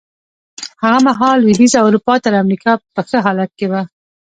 هغه مهال لوېدیځه اروپا تر امریکا په ښه حالت کې وه.